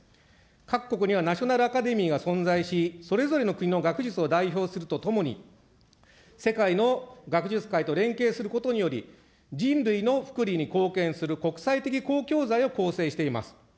各国にはナショナルアカデミーが存在し、それぞれの国の学術を代表するとともに、世界の学術界と連携することにより、人類の福利に貢献する国際的公共財を構成しています。